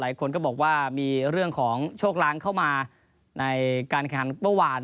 หลายคนก็บอกว่ามีเรื่องของโชคล้างเข้ามาในการแข่งเมื่อวาน